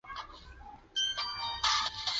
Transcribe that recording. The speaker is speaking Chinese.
沅江澧水